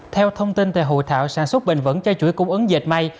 theo thông tin từ hồ thảo sản xuất bình vẫn cho chuỗi cung ứng dệt may